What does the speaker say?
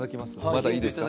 まだいいですか？